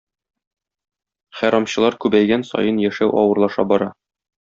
Хәрамчылар күбәйгән саен яшәү авырлаша бара.